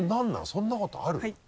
そんなことある？